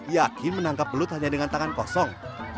yakin menangkap belut hanya dengan tangan kosong